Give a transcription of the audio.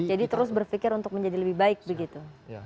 jadi terus berpikir untuk menjadi lebih baik begitu